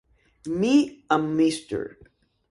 Me and Mr.